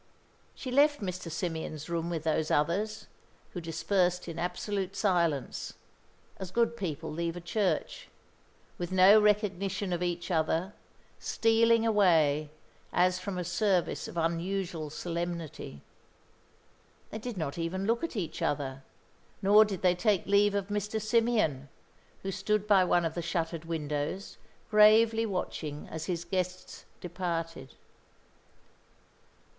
She left Mr. Symeon's room with those others, who dispersed in absolute silence, as good people leave a church, with no recognition of each other, stealing away as from a service of unusual solemnity. They did not even look at each other, nor did they take leave of Mr. Symeon, who stood by one of the shuttered windows, gravely watching as his guests departed.